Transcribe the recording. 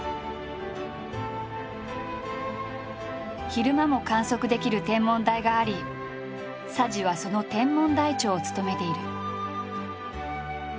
昼間も観測できる天文台があり佐治はその天文台長を務めている。